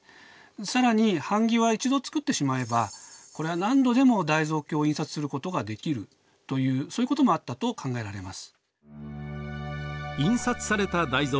更に版木は一度作ってしまえばこれは何度でも大蔵経を印刷することができるというそういうこともあったと考えられます。